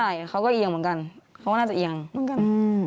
ใช่เขาก็เอียงเหมือนกันเขาก็น่าจะเอียงเหมือนกัน